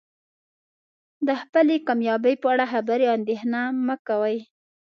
د خپلې کامیابۍ په اړه خبرې او اندیښنه مه کوئ.